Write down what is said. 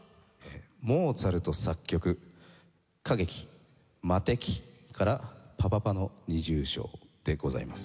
モーツァルト作曲歌劇『魔笛』から『パ・パ・パの二重唱』でございます。